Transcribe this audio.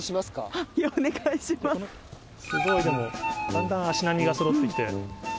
すごいでもだんだん足並みがそろって来て。